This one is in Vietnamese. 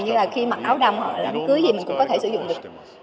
như là khi mặc áo đâm hoặc là bữa cưới gì mình cũng có thể sử dụng được